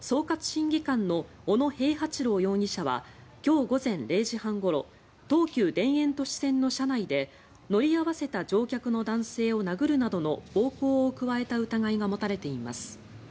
審議官の小野平八郎容疑者は今日午前０時半ごろ東急田園都市線の車内で乗り合わせた乗客の男性を殴るなどの暴行を加えた疑いが持たれています。